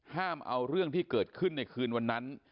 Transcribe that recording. ห้ามเอาเรื่องที่เกิดขึ้นในคืนวันนั้น